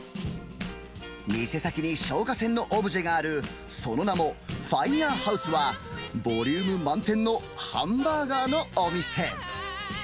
店先に消火栓のオブジェがあるその名も、ファイヤーハウスは、ボリューム満点のハンバーガーのお店。